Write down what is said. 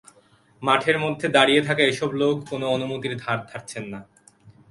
মাঠের মধ্যে দাঁড়িয়ে থাকা এসব লোক কোনো অনুমতির ধার ধারছেন না।